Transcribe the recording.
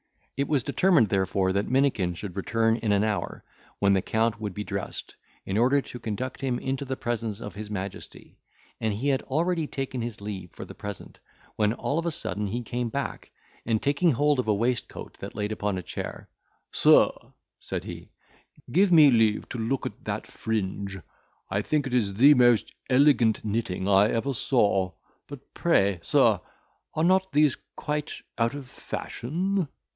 It was determined, therefore, that Minikin should return in an hour, when the Count would be dressed, in order to conduct him into the presence of his majesty; and he had already taken his leave for the present, when all of a sudden he came back, and taking hold of a waistcoat that lay upon a chair, "Sir," said he, "give me leave to look at that fringe; I think it is the most elegant knitting I ever saw. But pray, sir, are not these quite out of fashion?